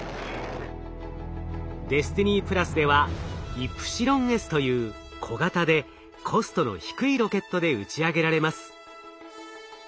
ＤＥＳＴＩＮＹではイプシロンＳという小型でコストの低いロケットで打ち上げられます。